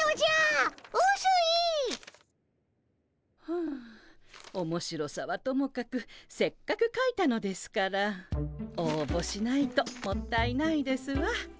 ふうおもしろさはともかくせっかくかいたのですからおうぼしないともったいないですわ。